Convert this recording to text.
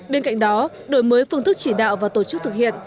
bên cạnh đó đổi mới phương thức chỉ đạo và tổ chức thực hiện